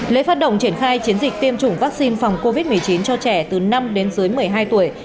lễ phát động triển khai chiến dịch tiêm chủng vaccine phòng covid một mươi chín cho trẻ từ năm đến dưới một mươi hai tuổi